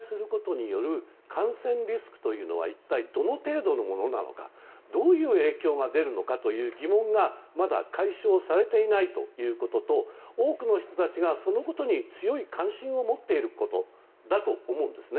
動いている中で私たち多くの国民が思っている、開催することによる感染リスクというのは一体どの程度のものなのかどういう影響が出るのかという疑問がまだ、解消されていないということと多くの人たちがそのことに強い関心を持っていることだと思うんですね。